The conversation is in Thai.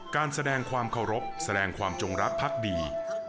การแสดงความเคารพแสดงความจงรักพักดี